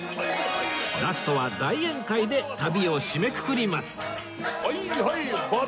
ラストは大宴会で旅を締めくくります